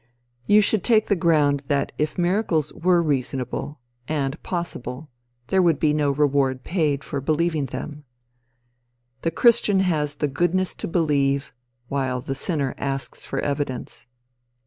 You should take the ground that if miracles were reasonable, and possible, there would be no reward paid for believing them. The christian has the goodness to believe, while the sinner asks for evidence.